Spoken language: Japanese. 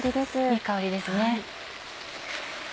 いい香りですね。